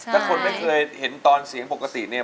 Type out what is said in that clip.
ถ้าคนไม่เคยเห็นตอนเสียงปกติเนี่ย